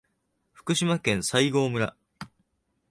福島県西郷村